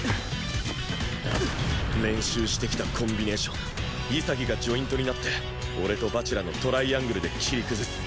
練習してきたコンビネーション潔がジョイントになって俺と蜂楽のトライアングルで切り崩す